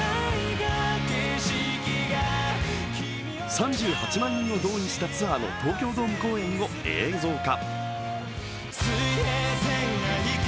３８万人を動員したツアーの東京ドーム公演を映像化。